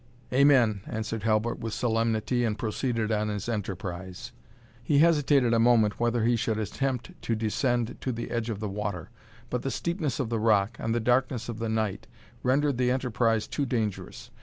"Amen!" answered Halbert, with solemnity, and proceeded on his enterprise. He hesitated a moment whether he should attempt to descend to the edge of the water; but the steepness of the rock, and darkness of the night, rendered the enterprise too dangerous.